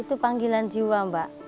itu panggilan jiwa mbak